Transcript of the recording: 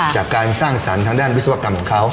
จากการสร้างสรรค์ทางด้านวิศวกรรมของเขา